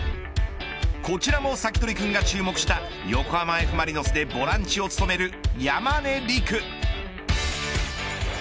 こちらもサキドリくんが注目した横浜Ｆ・マリノスでボランチを務める山根陸。